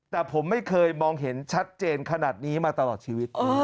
แต่ผมไม่เคยมองเห็นชัดเจนขนาดนี้มาตลอดชีวิต